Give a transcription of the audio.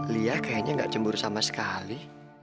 lia kayaknya nggak cemburu sama sekali